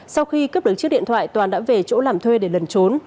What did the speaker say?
sau khi cướp được chiếc điện thoại toàn đã về chỗ làm thuê để lần trốn